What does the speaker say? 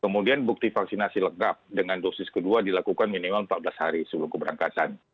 kemudian bukti vaksinasi lengkap dengan dosis kedua dilakukan minimal empat belas hari sebelum keberangkatan